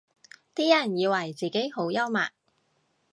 啲人以為自己好幽默